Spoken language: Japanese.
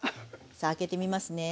さあ開けてみますね。